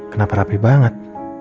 kenapa rapi banget